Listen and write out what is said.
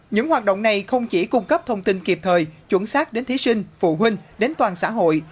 những hoạt động này không chỉ cung cấp thông tin kịp thời chuẩn xác đến thí sinh phụ huynh đến toàn xã hội